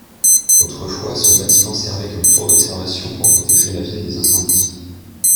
Autrefois, ce bâtiment servait comme tour d'observation pour protéger la ville des incendies.